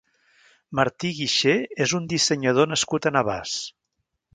Martí Guixé és un dissenyador nascut a Navars.